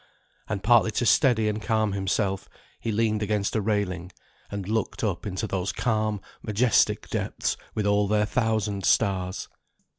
And partly to steady and calm himself, he leaned against a railing, and looked up into those calm majestic depths with all their thousand stars.